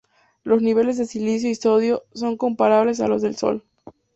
Los niveles de silicio y sodio son comparables a los del Sol.